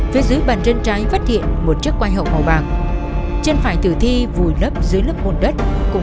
phía dưới bàn chân trái phát hiện một chiếc quay hậu màu bạc chân phải tử thi vùi lấp dưới lớp môn đất